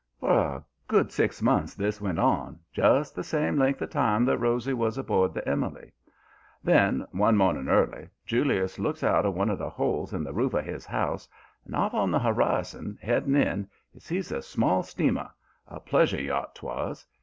"For a good six months this went on just the same length of time that Rosy was aboard the Emily. Then, one morning early, Julius looks out of one of the holes in the roof of his house and, off on the horizon, heading in, he sees a small steamer, a pleasure yacht 'twas.